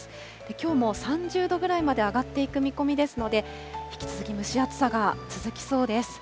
きょうも３０度ぐらいまで上がっていく見込みですので、引き続き蒸し暑さが続きそうです。